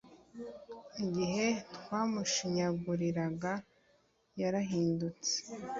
Igihe twamushinyagurira yarahindutse